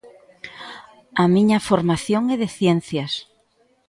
A miña formación é de ciencias.